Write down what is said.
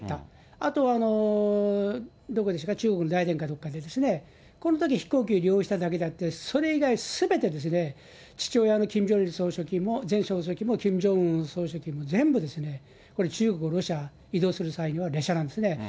あとはどこですか、中国のかどこかで、このとき飛行機利用しただけであって、それ以来、すべて父親のキム・ジョンイル総書記も、前総書記も、キム・ジョンウン総書記も、全部中国、ロシア移動する際、列車なんですね。